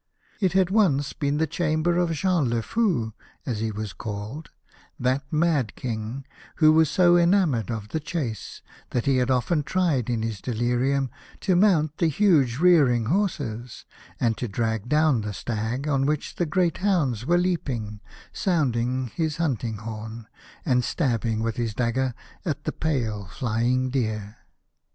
It had once been the chamber o {Jean le Fou , as he was called, that mad King who was so enamoured of the chase, that he had often tried in his delirium to mount the huge rearing horses, and to drag down the stag; on which the great hounds were leaping, sounding his hunting horn, and stabbing with his dagger at the pale flying deer.